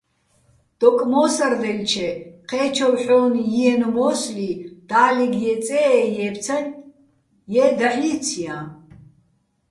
დოკმო́სადაჲლჩე, ჴე́ჩოვ ჰოჼ ჲიენო̆ მო́სლი დალეგ ჲეწეე ჲეფცანი̆, ჲე დაჰ̦ ჲიცჲაჼ.